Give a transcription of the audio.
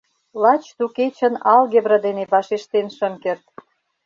Лач ту кечын алгебра дене вашештен шым керт.